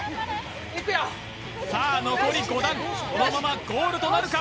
いくよさあ残り５段このままゴールとなるか？